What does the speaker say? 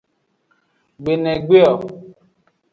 Gbenegbeo.